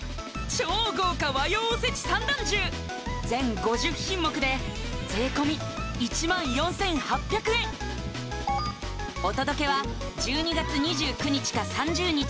超豪華和洋おせち三段重全５０品目で税込１４８００円お届けは１２月２９日か３０日